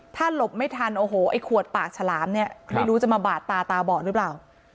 ถ้าหลบไม่ทันโอ้โหไอ้ขวดปากฉลามเนี่ยไม่รู้จะมาบาดตาตาบอดหรือเปล่า